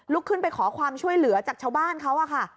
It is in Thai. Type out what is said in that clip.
ขึ้นไปขอความช่วยเหลือจากชาวบ้านเขาอะค่ะ